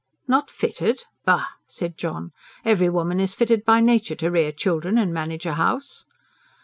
"Not fitted? Bah!" said John. "Every woman is fitted by nature to rear children and manage a house."